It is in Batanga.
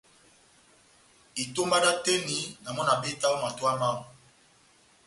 Itómba dá oteni, na mɔ́ na betaha ó matowa mámu.